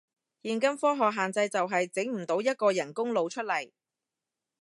現今醫學限制就係，整唔到一個人工腦出嚟